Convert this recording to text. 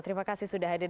terima kasih sudah hadir